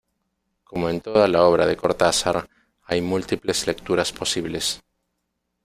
Como en toda la obra de Cortázar, hay múltiples lecturas posibles.